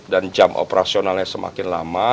dan jam operasionalnya semakin lama